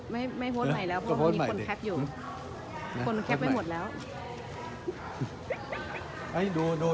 ไม่โพสต์ใหม่แล้วเพราะมีคนแคปอยู่